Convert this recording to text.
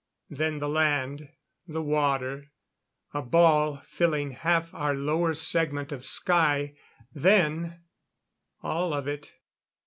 Then the land the water. A ball filling half our lower segment of sky. Then all of it.